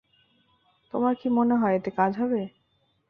তোমার কি মনে হয় এতে কাজ হবে?